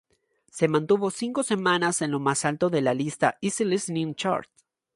Se mantuvo cinco semanas en lo más alto de la lista Easy Listening chart.